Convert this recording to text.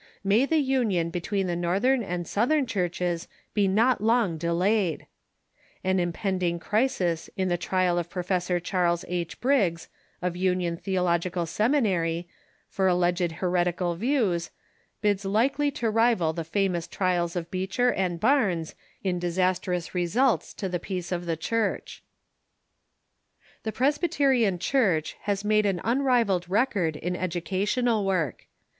May the union between the Northern and Southern churches be not long delayed ! An impending crisis in the trial of Professor Charles H. Briggs, of Union Theological Seminary, for alleged heretical views, bids likely to rival the famous ti'ials of Beech er and Barnes in disastrous results to the peace of the Church.''" * See below, in the chapter on "Ecclesiastical Trials." THE PRESHYTERIAX CHURCH 525 The Prosbyteriau Church has made an unrivalled record in educational Avork.